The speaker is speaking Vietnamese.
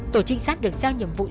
tổ trinh sát được giao nhiệm vụ